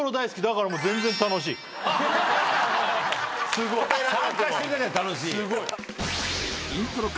すごい。参加してるだけで楽しい。